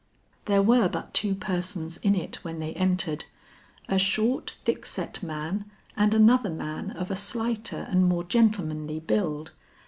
There were but two persons in it when they entered. A short thickset man and another man of a slighter and more gentlemanly build.